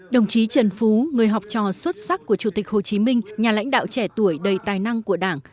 đồng chí trần phú người học trò xuất sắc của chủ tịch hồ chí minh nhà lãnh đạo trẻ tuổi đầy tài năng của đảng